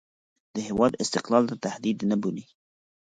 د هېواد استقلال ته تهدید نه بولي.